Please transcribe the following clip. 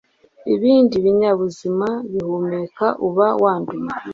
ibindi binyabuzima bihumeka uba wanduye